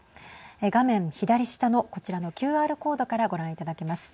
画面左下のこちらのＱＲコードからご覧いただけます。